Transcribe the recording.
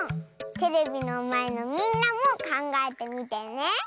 テレビのまえのみんなもかんがえてみてね。